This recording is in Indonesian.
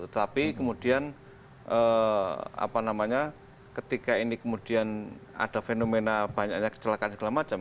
tetapi kemudian ketika ini kemudian ada fenomena banyaknya kecelakaan segala macam